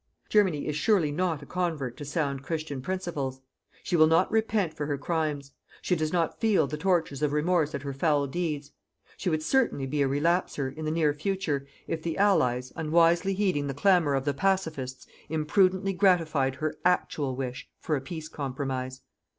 Germany is surely not a convert to sound Christian principles. She will not repent for her crimes. She does not feel the tortures of remorse at her foul deeds. She would certainly be a relapser, in the near future, if the Allies, unwisely heeding the clamour of the "pacifists", imprudently gratified her ACTUAL wish for a peace compromise.